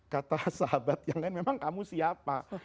kata sahabat yang lain memang kamu siapa